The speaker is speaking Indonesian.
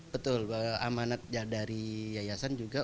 betul bahwa amanat dari yayasan juga